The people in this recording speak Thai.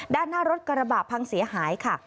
ด้านหน้ารถกระบะพังเสียหายค่ะ